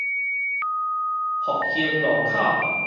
福興路口